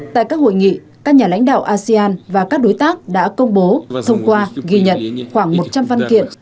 tại các hội nghị các nhà lãnh đạo asean và các đối tác đã công bố thông qua ghi nhận khoảng một trăm linh văn kiện